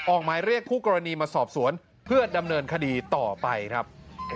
หมายเรียกคู่กรณีมาสอบสวนเพื่อดำเนินคดีต่อไปครับ